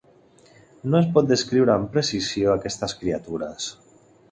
No es pot descriure amb precisió aquestes criatures.